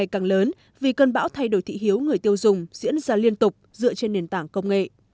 càng lớn vì cơn bão thay đổi thị hiếu người tiêu dùng diễn ra liên tục dựa trên nền tảng công nghệ